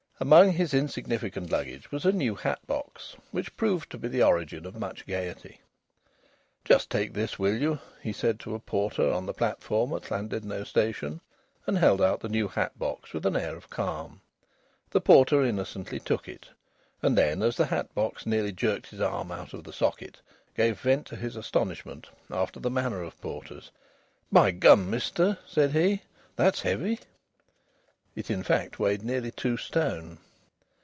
Among his insignificant luggage was a new hat box, which proved to be the origin of much gaiety. "Just take this, will you?" he said to a porter on the platform at Llandudno Station, and held out the new hat box with an air of calm. The porter innocently took it, and then, as the hat box nearly jerked his arm out of the socket, gave vent to his astonishment after the manner of porters. "By gum, mister!" said he, "that's heavy!" It, in fact, weighed nearly two stone.